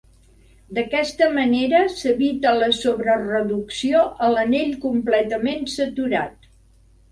D'aquesta manera s'evita la sobrereducció a l'anell completament saturat.